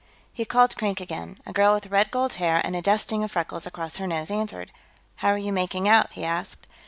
He called Krink again. A girl with red gold hair and a dusting of freckles across her nose answered. "How are you making out?" he asked.